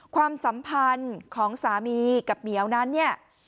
ความสัมพันธ์ของสามีกับเหมียวนั้นเนี่ย